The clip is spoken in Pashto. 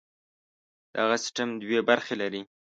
دغه سیستم دوې برخې لري.